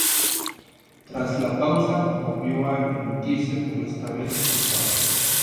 Tras la pausa volvió a emitirse, pero esta vez los sábados.